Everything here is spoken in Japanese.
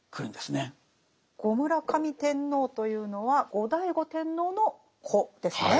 後村上天皇というのは後醍醐天皇の子ですね。